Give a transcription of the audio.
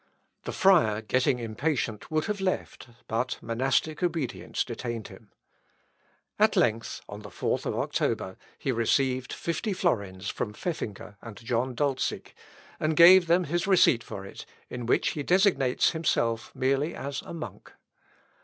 The friar getting impatient would have left, but monastic obedience detained him. At length, on the 4th of October, he received fifty florins from Pfeffinger and John Doltzig, and gave them his receipt for it, in which he designates himself merely as a monk.